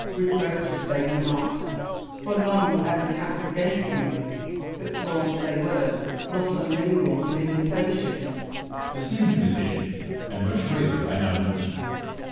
Wallace. Reproaches they were not ; for none were ever cast against me : but taunts they were, not unminglecl with invitations. Edward. The same invitations, and much greater, I now repeat.